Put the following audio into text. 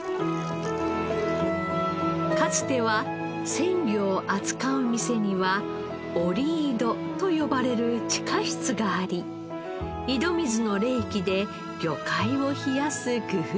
かつては鮮魚を扱う店には降り井戸と呼ばれる地下室があり井戸水の冷気で魚介を冷やす工夫をしてきたのです。